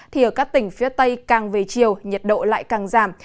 thì ở các tỉnh phía tây càng về chiều nhiệt độ lại càng giảm